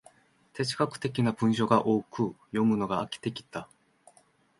哲学的な文章が多く、読むのが飽きてきた